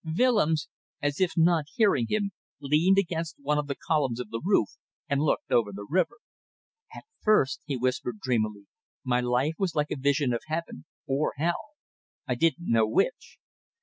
Willems as if not hearing him leaned against one of the columns of the roof and looked over the river. "At first," he whispered, dreamily, "my life was like a vision of heaven or hell; I didn't know which.